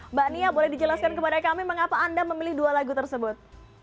mbak nia boleh dijelaskan kepada kami mengapa anda memilih dua lagu tersebut